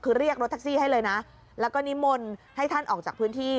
คือเรียกรถแท็กซี่ให้เลยนะแล้วก็นิมนต์ให้ท่านออกจากพื้นที่